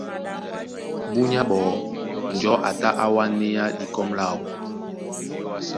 Búnyá ɓɔɔ́ njɔ̌ a tá á wánéá dikɔ́m láō.